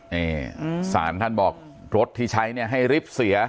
นี่สารท่านบอกลดที่ใช้ให้ริบเสีย